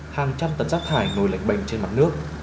hàng trăm tấn rác thải nổi lệnh bệnh trên mặt nước